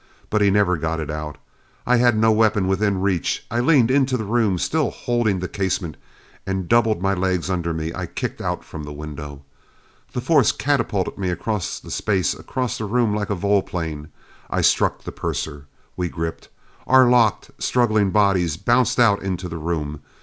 But he never got it out. I had no weapon within reach. I leaned into the room, still holding the casement, and doubled my legs under me. I kicked out from the window. The force catapulted me across the space across the room like a volplane. I struck the purser. We gripped. Our locked, struggling bodies bounced out into the room.